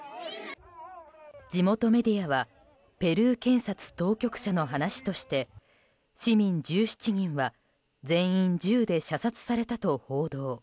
地元メディアはペルー検察当局者の話として市民１７人は全員、銃で射殺されたと報道。